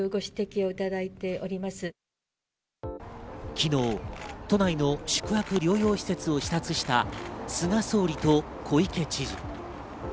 昨日、都内の宿泊療養施設を視察した菅総理と小池知事。